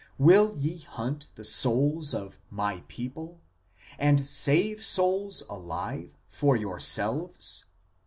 Will ye hunt the souls of My people, and save souls alive for yourselves